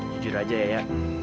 jujur aja ya